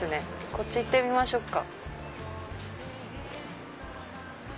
こっち行ってみましょうか。